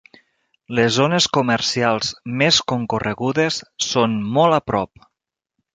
Les zones comercials més concorregudes són molt a prop.